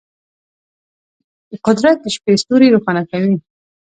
قدرت د شپې ستوري روښانه ساتي.